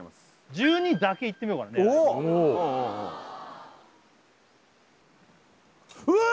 １２だけいってみようかなうわー！